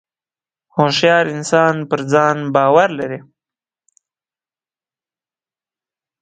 • هوښیار انسان پر ځان باور لري.